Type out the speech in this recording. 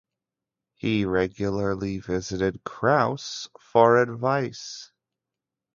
He regularly visited Kraus for advice.